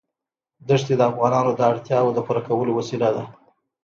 دښتې د افغانانو د اړتیاوو د پوره کولو وسیله ده.